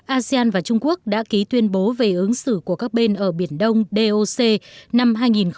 asean và trung quốc đã ký tuyên bố về ứng xử của các bên ở biển đông doc năm hai nghìn hai